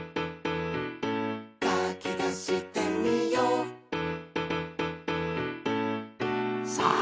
「かきたしてみよう」さあ！